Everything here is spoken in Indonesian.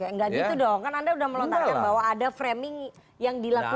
nggak gitu dong kan anda sudah melontarkan bahwa ada framing yang dilakukan